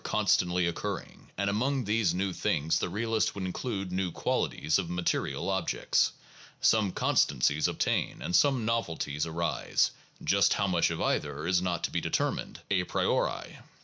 New things are constantly occurring, and among these new things the realist would include new qualities of material objects. Some constancies obtain, and some novelties arise; just how much of either is not to be determined a priori.